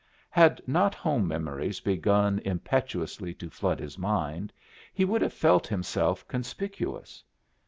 Had not home memories begun impetuously to flood his mind, he would have felt himself conspicuous.